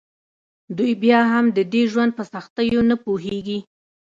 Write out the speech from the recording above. دوی بیا هم د دې ژوند په سختیو نه پوهیږي